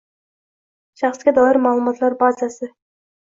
shaxsga doir ma’lumotlar bazasi